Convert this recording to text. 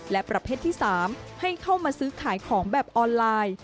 และประเภทที่๓ให้เข้ามาซื้อขายของแบบออนไลน์